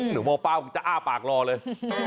เดี๋ยวโม๊คเป๊าจะอ้าปากลอเลย